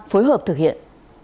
phối hợp thực hiện